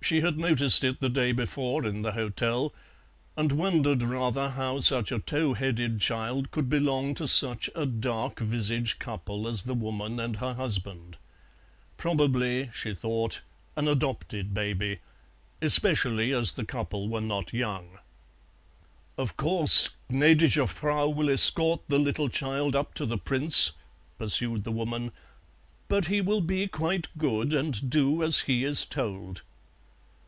She had noticed it the day before in the hotel, and wondered rather how such a towheaded child could belong to such a dark visaged couple as the woman and her husband; probably, she thought, an adopted baby, especially as the couple were not young. "Of course Gnädige Frau will escort the little child up to the Prince," pursued the woman; "but he will be quite good, and do as he is told."